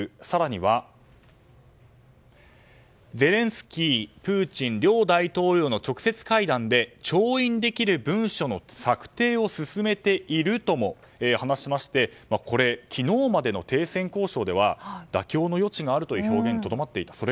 更には、ゼレンスキープーチン両大統領の直接会談で調印できる文書の策定を進めているとも話しまして昨日までの停戦交渉では妥協の余地があるという表現にとどまっていた。